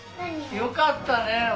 よかったね。